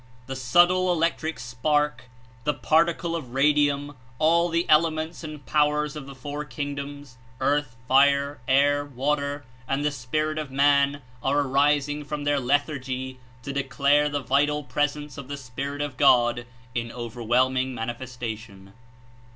The subtle electric spark, the particle of radium, all the elements and powers of the four kingdoms (earth, fire, air, water) and the spirit of man are arising from their lethargy to declare the vital presence of the Spirit of God in overwhelming manifestation.